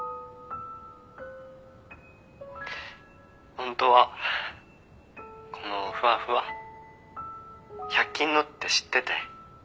ホントはこのふわふわ１００均のって知ってて。